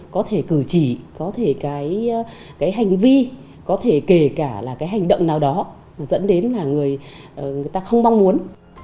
có thể cử chỉ có thể cái hành vi có thể kể cả là cái hành động nào đó dẫn đến là người ta không mong muốn